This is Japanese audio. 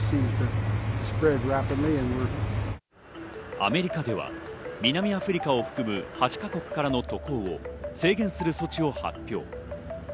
アメリカでは南アフリカを含む８か国からの渡航を制限する措置を発表。